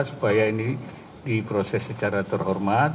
supaya ini diproses secara terhormat